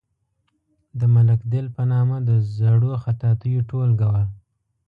د ملک دل په نامه د زړو خطاطیو ټولګه وه.